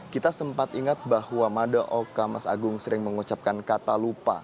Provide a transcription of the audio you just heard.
kita sempat ingat bahwa madaoka mas agung sering mengucapkan kata lupa